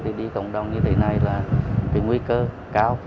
thì đi cộng đồng như thế này là cái nguy cơ cao